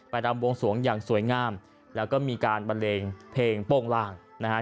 รำวงสวงอย่างสวยงามแล้วก็มีการบันเลงเพลงโป้งล่างนะฮะ